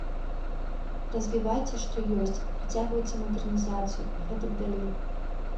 Развівайце, што ёсць, працягвайце мадэрнізацыю, і гэтак далей.